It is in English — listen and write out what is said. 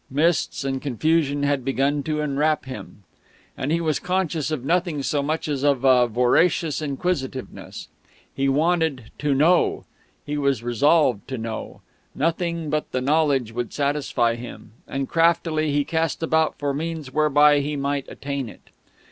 Mists and confusion had begun to enwrap him. And he was conscious of nothing so much as of a voracious inquisitiveness. He wanted to know. He was resolved to know. Nothing but the knowledge would satisfy him; and craftily he cast about for means whereby he might attain it.